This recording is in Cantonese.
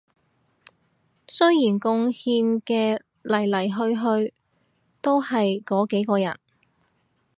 雖然貢獻嘅來來去去都係嗰幾個人